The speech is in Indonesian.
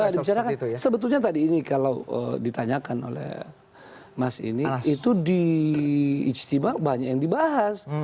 ya dibicarakan sebetulnya tadi ini kalau ditanyakan oleh mas ini itu di ijtima banyak yang dibahas